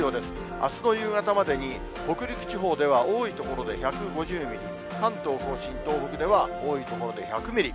あすの夕方までに、北陸地方では多い所で１５０ミリ、関東甲信、東北では多い所で１００ミリ。